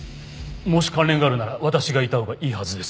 もし関連があるなら私がいたほうがいいはずです。